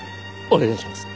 お願いします。